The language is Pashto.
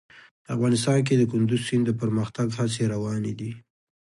افغانستان کې د کندز سیند د پرمختګ هڅې روانې دي.